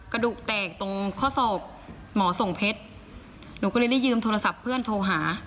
กระดูกแตกตรงข้อศอกหมอส่งเพชรหนูก็เลยได้ยืมโทรศัพท์เพื่อนโทรหา